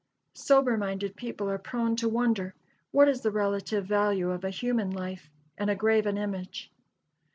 Sober minded people are prone to wonder what is the relative value of a human life and a graven image.